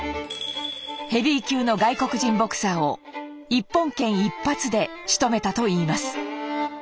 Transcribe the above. ヘビー級の外国人ボクサーを一本拳一発でしとめたといいます。